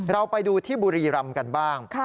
เราไปดูที่บุรีรำกันบ้าง